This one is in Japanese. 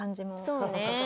そうね。